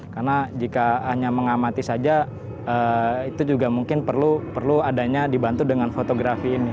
karena jika hanya mengamati saja itu juga mungkin perlu adanya dibantu dengan fotografi ini